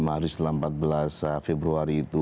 tiga puluh lima hari selama empat belas februari itu